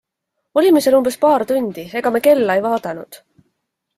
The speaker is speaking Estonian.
Olime seal umbes paar tundi, ega me kella ei vaadanud.